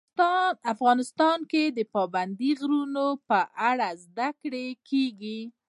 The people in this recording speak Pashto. افغانستان کې د پابندی غرونه په اړه زده کړه کېږي.